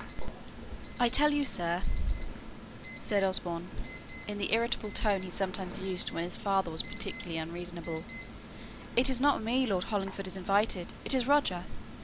"I tell you, sir," said Osborne, in the irritable tone he sometimes used when his father was particularly unreasonable, "it is not me Lord Hollingford is inviting; it is Roger.